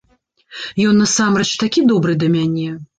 Ён насамрэч такі добры да мяне!